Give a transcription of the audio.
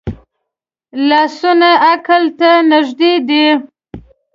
لاسونه عقل ته نږدې دي